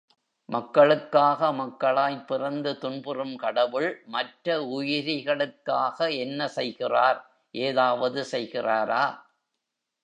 மக்களுக்காக மக்களாய்ப் பிறந்து துன்புறும் கடவுள் மற்ற உயிரிகளுக்காக என்ன செய்கிறார்? ஏதாவது செய்கிறாரா?